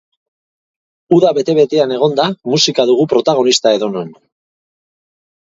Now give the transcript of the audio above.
Uda bete-betean egonda, musika dugu protagonista edonon.